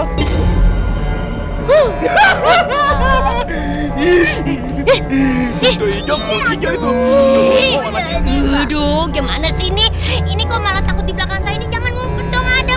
hidup gimana sini ini kau malah takut di belakang saya jangan ngomong dong ada